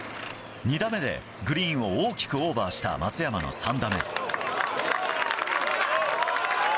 ２打目でグリーンを大きくオーバーした松山の３打目。